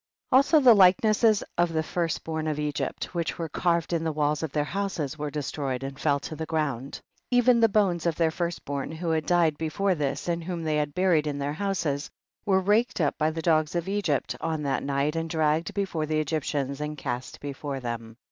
45. Also the likenesses of the first born of Egypt, which were carved in the walls of their houses, were de stroyed and fell to the ground. 46. Even the bones of their first born who had died before this and whom they had buried in their houses, were raked up by the dogs of Egypt on that night and dragged before the Egyptians and cast before them.